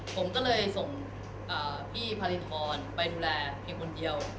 ผมก็เลยส่งพี่พารินทรไปดูแลเพียงคนเดียว